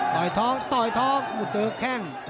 ต่อยท้องต่อยท้องมุดเจ้าแข้ง